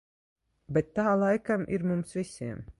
Bet tā laikam ir mums visiem.